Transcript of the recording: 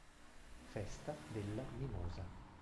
Festa della mimosa